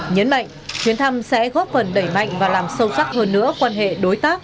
nhấn mạnh chuyến thăm sẽ góp phần đẩy mạnh và làm sâu sắc hơn nữa quan hệ đối tác